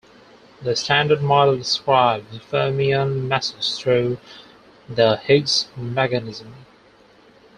The Standard Model describes fermion masses through the Higgs mechanism.